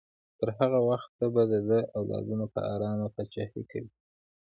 تر هغه وخته به د ده اولادونه په ارامه پاچاهي کوي.